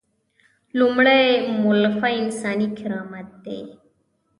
لومړۍ مولفه انساني کرامت دی.